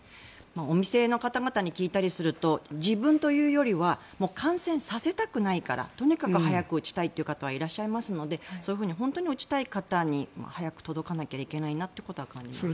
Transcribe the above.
お店の方に聞いたりすると自分というよりは感染させたくないからとにかく早く打ちたい方はいらっしゃいますのでそういうふうに本当に打ちたい方に早く届かなきゃいけないなとは感じます。